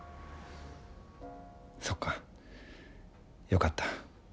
そっかよかった。